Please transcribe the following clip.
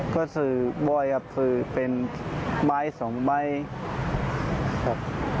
ก็ซื้อบ่อยครับซื้อเป็นใบสองใบครับ